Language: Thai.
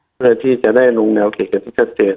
เพื่อที่จะได้ลงแนวเขตกันที่ชัดเจน